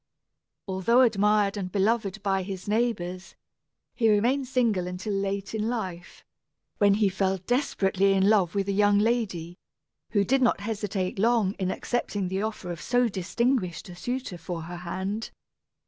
Although admired and beloved by his neighbors, he remained single until late in life, when he fell desperately in love with a young lady, who did not hesitate long in accepting the offer of so distinguished a suitor for her hand.